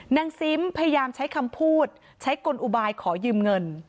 ซิมพยายามใช้คำพูดใช้กลอุบายขอยืมเงิน